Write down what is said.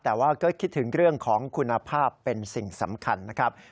แต่ว่าก็คิดถึงเรื่องของคุณภาพเป็นสิ่งสำคัญนะครับ